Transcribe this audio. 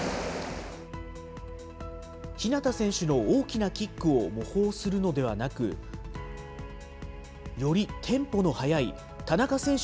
日向選手の大きなキックを模倣するのではなく、よりテンポの速い田中選手